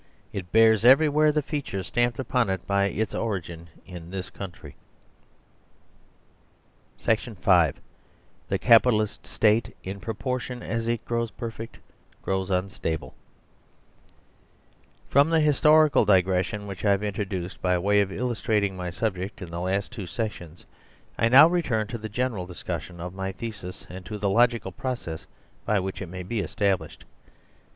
It bears everywhere the features stamped upon it by its origin in this country. SECTION FIVE THE CAPITALIST STATE IN PROPORTION AS IT GROWS PERFECT GROWS UNSTABLE SECTION THE FIFTH THE CAP ITALIST STATE IN PROPORTION AS IT GROWS PERFECT GROWS UNSTABLE FROM THE HISTORICAL DIGRESSION which I have introduced by way of illustrating my subject in the last two sections I now return to the general discussion of my thesis and to the logical process by which it may be established.